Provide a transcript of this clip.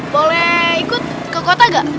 boleh ikut ke kota nggak